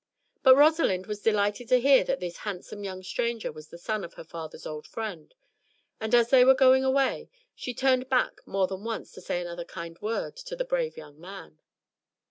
But Rosalind was delighted to hear that this handsome young stranger was the son of her father's old friend, and as they were going away, she turned back more than once to say another kind word to the brave young man.